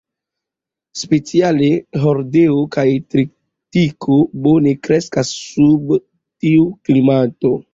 Speciale hordeo kaj tritiko bone kreskas sub tiu klimato.